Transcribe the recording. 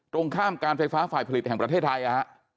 ตรงข้ามการไฟฟ้าฝ่ายผลิตแห่งประเทศไทยนะฮะ